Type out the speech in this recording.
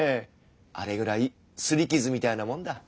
あれぐらい擦り傷みたいなもんだ。